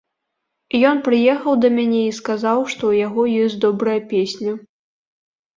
Ён прыехаў да мяне і сказаў, што ў яго ёсць добрая песня.